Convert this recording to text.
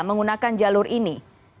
menggunakan jalur ini